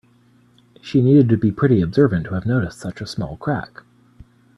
She needed to be pretty observant to have noticed such a small crack.